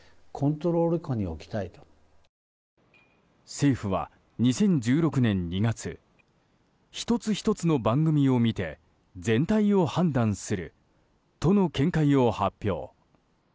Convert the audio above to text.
政府は２０１６年２月１つ１つの番組を見て全体を判断するとの見解を発表。